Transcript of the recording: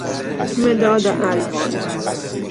مداد الوان